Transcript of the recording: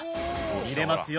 見れますよ